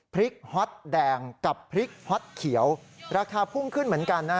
ฮอตแดงกับพริกฮอตเขียวราคาพุ่งขึ้นเหมือนกันนะ